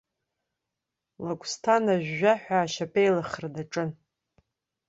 Лагәсҭан ажәжәаҳәа ашьапеилыхра даҿын.